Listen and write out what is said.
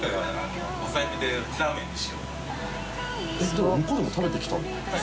でも向こうでも食べてきたんですよね？